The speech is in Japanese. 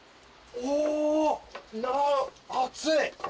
お熱い。